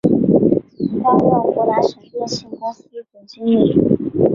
担任湖南省电信公司总经理。